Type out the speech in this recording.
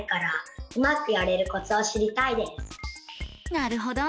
なるほど。